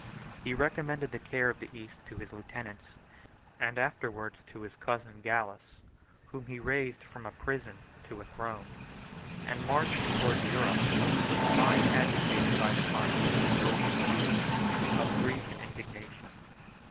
He recommended the care of the East to his lieutenants, and afterwards to his cousin Gallus, whom he raised from a prison to a throne; and marched towards Europe, with a mind agitated by the conflict of hope and fear, of grief and indignation.